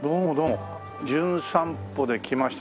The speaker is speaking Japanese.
『じゅん散歩』で来ました